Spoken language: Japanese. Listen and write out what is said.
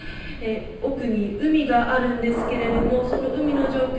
奥に海があるんですがその海の状況